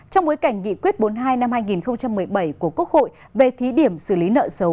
trong bối cảnh nghị quyết bốn mươi hai năm hai nghìn một mươi bảy của quốc hội về thí điểm xử lý nợ xấu